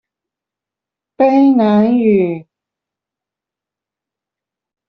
卑南語